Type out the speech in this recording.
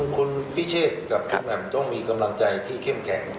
คุณพิเชศกับคุณแบบต้องมีกำนังใจที่เข้มแข็ง